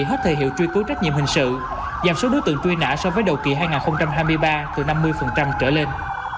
hết thời hiệu truy cứu trách nhiệm hình sự giảm số đối tượng truy nã so với đầu kỳ hai nghìn hai mươi ba từ năm mươi trở lên